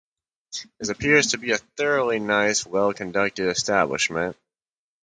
This appears to be a thoroughly nice, well-conducted establishment.